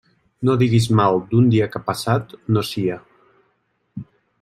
No diguis mal d'un dia que passat no sia.